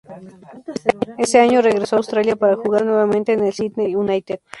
Ese año regresó a Australia para jugar nuevamente en el Sydney United.